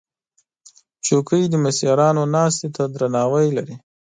چوکۍ د مشرانو ناستې ته درناوی لري.